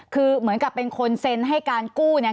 คือเหมือนกับเป็นคนเซ็นให้การกู้เนี่ย